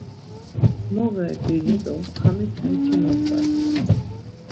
Moğerdini do xamiten ti noǩvati.